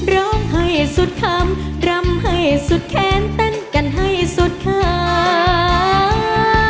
ร้องให้สุดคำดรำให้สุดแขนตั้งกันให้สุดข้าง